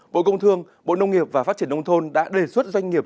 bộ công thương bộ nông nghiệp và phát triển nông thôn đã đề xuất doanh nghiệp